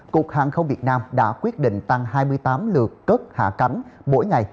cục hàng không việt nam đã quyết định tăng hai mươi tám lượt cất hạ cánh mỗi ngày